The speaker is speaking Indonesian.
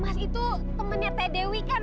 mas itu temennya teh dewi kan